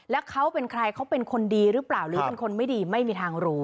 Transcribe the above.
แล้วเขาเป็นใครเขาเป็นคนดีหรือเปล่าหรือเป็นคนไม่ดีไม่มีทางรู้